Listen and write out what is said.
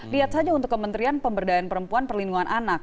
lihat saja untuk kementerian pemberdayaan perempuan perlindungan anak